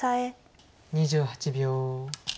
２８秒。